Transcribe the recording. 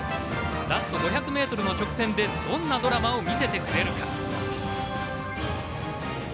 ラスト５００ｍの直線でどんなドラマを見せてくれるか。